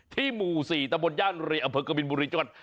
ที่หมู่๔ตะบนย่านอเผิกกะบินบุเรจนกัน